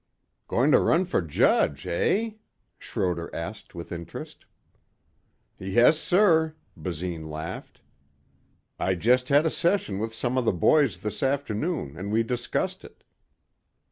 "Going to run for Judge, eh?" Schroder asked with interest. "Yes sir," Basine laughed. "I just had a session with some of the boys this afternoon and we discussed it."